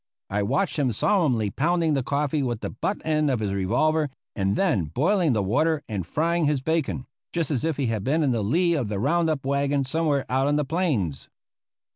I watched him solemnly pounding the coffee with the butt end of his revolver, and then boiling the water and frying his bacon, just as if he had been in the lee of the roundup wagon somewhere out on the plains.